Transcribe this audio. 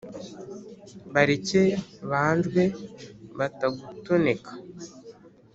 bareke banjwe batagutoneka.